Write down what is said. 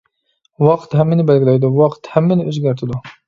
ۋاقىت ھەممىنى بەلگىلەيدۇ، ۋاقىت ھەممىنى ئۆزگەرتىدۇ.